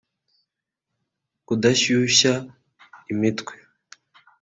kudashyushya imitwe